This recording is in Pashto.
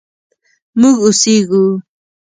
مونږ اوسیږو